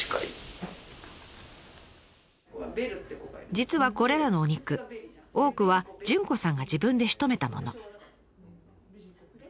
実はこれらのお肉多くは潤子さんが自分でしとめたもの。